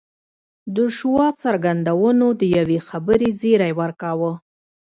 د شواب څرګندونو د یوې خبرې زیری ورکاوه